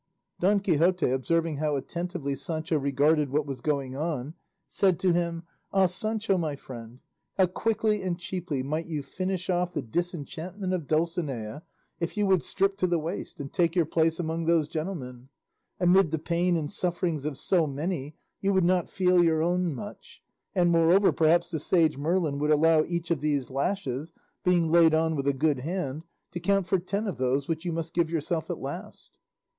Don Quixote, observing how attentively Sancho regarded what was going on, said to him, "Ah, Sancho my friend, how quickly and cheaply might you finish off the disenchantment of Dulcinea, if you would strip to the waist and take your place among those gentlemen! Amid the pain and sufferings of so many you would not feel your own much; and moreover perhaps the sage Merlin would allow each of these lashes, being laid on with a good hand, to count for ten of those which you must give yourself at last."